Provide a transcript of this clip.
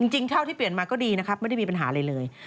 เท่าที่เปลี่ยนมาก็ดีนะครับไม่ได้มีปัญหาอะไรเลย